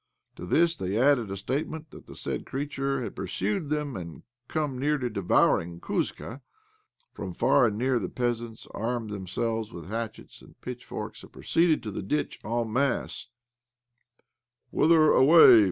To this they added a statement that the said creature had pursued them, and come near to devouring Kuzka, From far and near the peasants armed them selves with hatchets and pitchforks, and proceeded to the ditch en masse. "Whither away?"